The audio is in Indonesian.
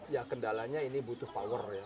ya kendalanya ini butuh power ya